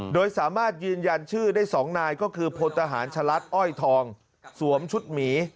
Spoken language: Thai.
โดยสามารถยืนยันชื่อได้๒นายก็คือพลทหารฉลัดอ้อยทองสวมชุดหมี